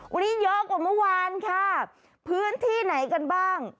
วันนี้เยอะกว่าเมื่อวานค่ะพื้นที่ไหนกันบ้าง